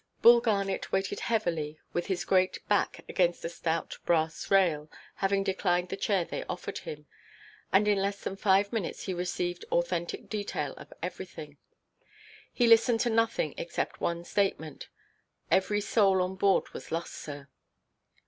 Bull Garnet waited heavily with his great back against a stout brass rail, having declined the chair they offered him; and in less than five minutes he received authentic detail of everything. He listened to nothing except one statement, "every soul on board was lost, sir."